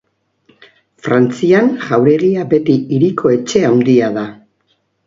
Frantzian jauregia beti hiriko etxe handia da.